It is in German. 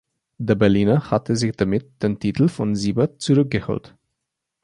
Der Berliner hatte sich damit den Titel von Siebert zurückgeholt.